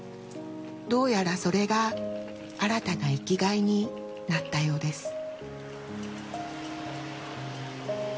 どうやらそれが新たな生きがいになったようです。